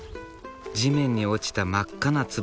地面に落ちた真っ赤なツバキ。